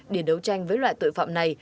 để đấu tranh với loại tội phạm này